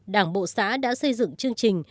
đảng bộ xã đã xây dựng chương trình